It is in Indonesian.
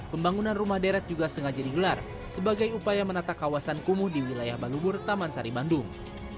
pembangunan rumah deret juga sengaja digelar sebagai upaya menata kawasan kumuh di wilayah balubur taman sari bandung